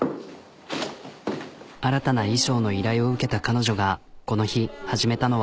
新たな衣装の依頼を受けた彼女がこの日始めたのは。